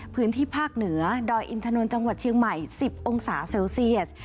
พื้นที่ภาคเหนือดอยอินทนนท์จังหวัดเชียงใหม่๑๐องศาเซลเซียส